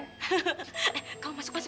eh kamu masuk masuk